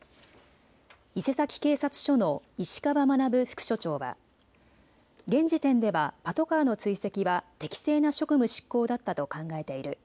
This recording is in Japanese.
伊勢崎警察署の石川学副署長は現時点ではパトカーの追跡は適正な職務執行だったと考えている。